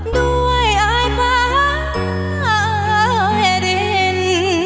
ด้วยอายฟ้าให้ดิน